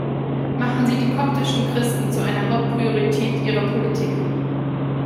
Machen Sie die koptischen Christen zu einer Haupt-Priorität Ihrer Politik.